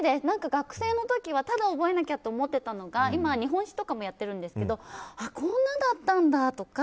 学生の時はただ覚えなきゃと思ってたのが今、日本史とかもやってるんですけどこんなだったんだとか